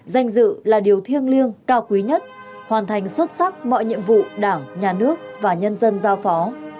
danh dự là điều thiêng liêng cao quý nhất hoàn thành xuất sắc mọi nhiệm vụ đảng nhà nước và nhân dân giao phó